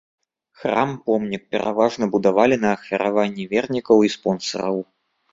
Храм-помнік пераважна будавалі на ахвяраванні вернікаў і спонсараў.